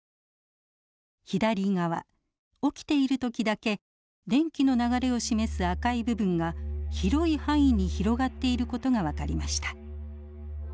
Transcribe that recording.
左側起きている時だけ電気の流れを示す赤い部分が広い範囲に広がっている事が分かりました。